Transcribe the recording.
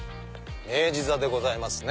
明治座でございますね。